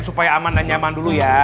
supaya aman dan nyaman dulu ya